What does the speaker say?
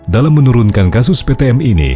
dalam menurunkan kasus ptm ini